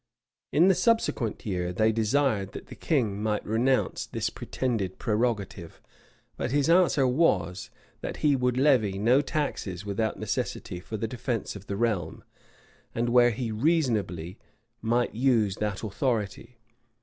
In the subsequent year, they desired that the king might renounce this pretended prerogative; but his answer was, that he would levy no taxes without necessity for the defence of the realm, and where he reasonably might use that authority.